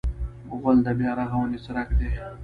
غول د بیا رغونې څرک دی.